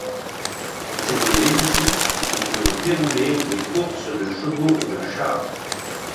C'était l'édifice où se déroulaient les courses de chevaux et de chars.